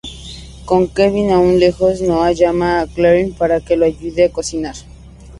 Con Kevin aun lejos, Noah llama a Claire para que lo ayude a cocinar.